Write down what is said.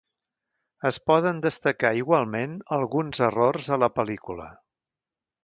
Es poden destacar igualment alguns errors a la pel·lícula.